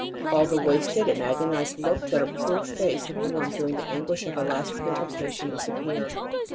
All the wasted and agonized look that her poor face had worn during the anguish of her last purification disappeared.